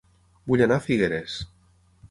Vull anar a Figueres